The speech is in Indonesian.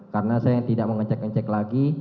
karena saya tidak mengecek ngecek lagi